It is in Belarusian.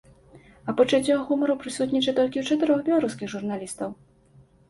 А пачуццё гумару прысутнічае толькі ў чатырох беларускіх журналістаў.